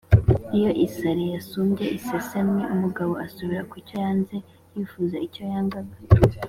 Iyo isari yasumbye iseseme, umugabo asubira kucyo yanze (yifuza icyo yangaga).